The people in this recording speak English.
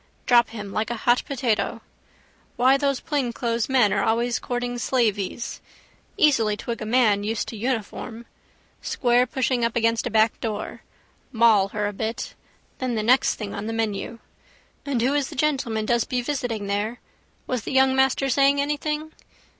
Drop him like a hot potato. Why those plainclothes men are always courting slaveys. Easily twig a man used to uniform. Squarepushing up against a backdoor. Maul her a bit. Then the next thing on the menu. And who is the gentleman does be visiting there? Was the young master saying anything?